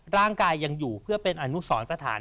ร่างกายยังอยู่เพื่อเป็นอนุสรสถาน